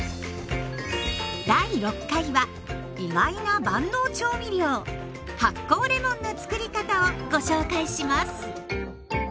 第６回は意外な万能調味料発酵レモンのつくり方をご紹介します。